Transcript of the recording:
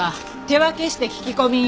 手分けして聞き込み。